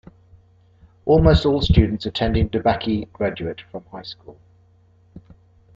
Almost all students attending DeBakey graduate from high school.